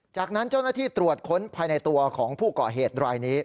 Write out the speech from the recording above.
จากนั้นเจ้าหน้าที่ตรวจค้นภายในตัวของผู้ก่อเหตุรายนี้